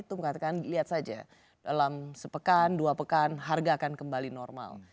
itu mengatakan lihat saja dalam sepekan dua pekan harga akan kembali normal